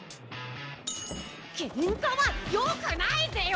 ケンカはよくないぜよ！